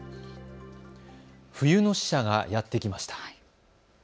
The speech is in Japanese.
冬の使者がやって来ました。